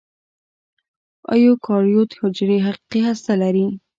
ایوکاریوت حجرې حقیقي هسته لري.